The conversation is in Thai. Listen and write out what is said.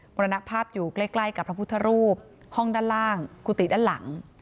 รณภาพอยู่ใกล้กับพระพุทธรูปห้องด้านล่างกุฏิด้านหลัง